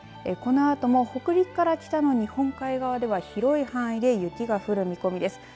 このあとも北陸から北の日本海側では広い範囲で雪が降る見込みです。